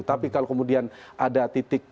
tapi kalau kemudian ada titik